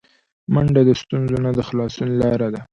منډه د ستونزو نه د خلاصون لاره ده